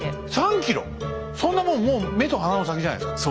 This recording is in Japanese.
そんなもんもう目と鼻の先じゃないですか。